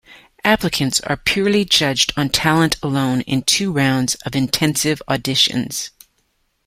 Applicants are purely judged on talent alone in two rounds of intensive auditions.